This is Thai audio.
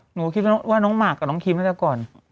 หนูคิดว่าน้องมาร์คกับน้องครีมแล้วก่อน